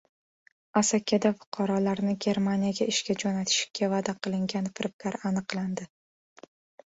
Asakada fuqarolarni Germaniyaga ishga jo‘natishga va’da qilgan firibgar aniqlandi